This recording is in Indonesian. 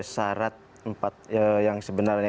syarat yang sebenarnya